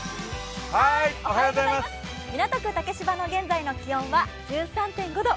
港区竹芝の現在の気温は１３．５度。